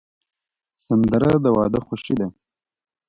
سندره د واده خوښي ده